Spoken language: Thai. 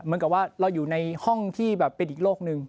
เหมือนกับว่าเราอยู่ในห้องที่แบบเป็นอีกโรคนึง